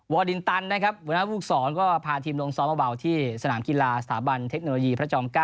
วอลดินตันนะครับบริษัทฟูกศรก็พาทีมลงซ้อมเบาที่สนามกีฬาสถาบันเทคโนโลยีพระจอม๙